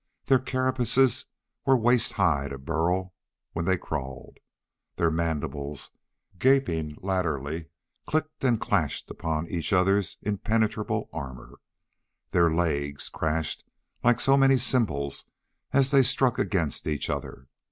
Their carapaces were waist high to Burl when they crawled. Their mandibles, gaping laterally, clicked and clashed upon each other's impenetrable armor. Their legs crashed like so many cymbals as they struck against each other.